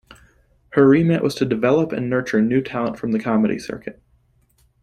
Her remit was to develop and nurture new talent from the comedy circuit.